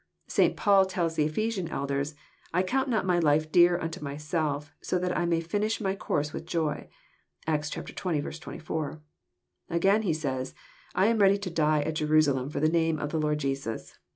St. Paul tells the Ephesian elders, " I count not my life dear unto myself so that I may finish my course with joy." (Acts xx. 24.) Again he says, I am ready to die at Jerusalem for the name of the Lord Jesus."